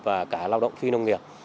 và cả lao động phi nông nghiệp